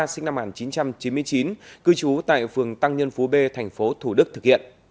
sinh năm một nghìn chín trăm chín mươi chín cư trú tại phường tăng nhân phú b tp thủ đức thực hiện